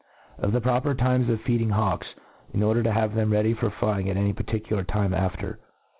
Of the proper Times of feeding Hawks y in order to have them ready for flying at any particular Time after.